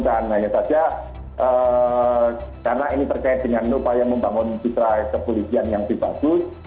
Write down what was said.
dan hanya saja karena ini terkait dengan upaya membangun fitra kepolisian yang lebih bagus